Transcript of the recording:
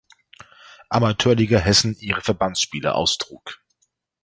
Amateurliga Hessen ihre Verbandsspiele austrug.